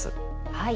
はい。